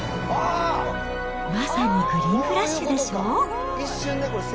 まさにグリーンフラッシュでしょう？